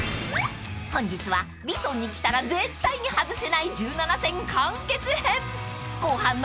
［本日はＶＩＳＯＮに来たら絶対に外せない１７選完結編！］